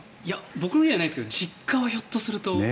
僕の家はないですが実家はひょっとすると。